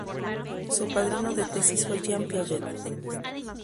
Su padrino de tesis fue Jean Piaget.